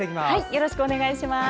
よろしくお願いします。